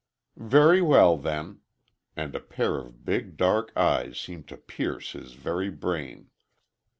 "Very well then," and a pair of big, dark eyes seemed to pierce his very brain.